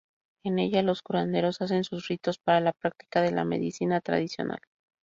En ellas los curanderos hacen sus ritos para la práctica de la Medicina Tradicional.